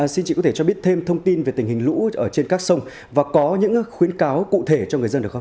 xin chị có thể cho biết thêm thông tin về tình hình lũ trên các sông và có những khuyến cáo cụ thể cho người dân được không ạ